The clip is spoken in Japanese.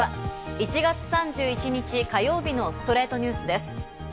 １月３１日、火曜日の『ストレイトニュース』です。